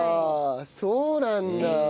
そうなんだ。